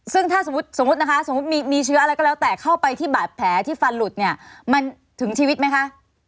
ซึ่งถ้าสมมุติสมมุตินะคะสมมุติมีเชื้ออะไรก็แล้วแต่เข้าไปที่บาดแผลที่ฟันหลุดเนี่ยมันถึงชีวิตไหมคะ